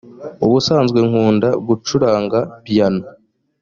ubusanzwe nkunda gucuranga piyano